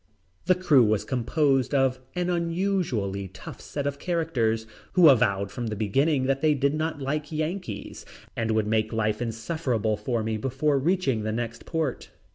The crew was composed of an unusually tough set of characters who avowed from the beginning that they did not like Yankees and would make life insufferable for me before reaching the next port.